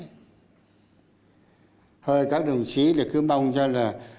thôi các đồng chí thì cứ mong cho là